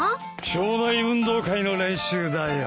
町内運動会の練習だよ。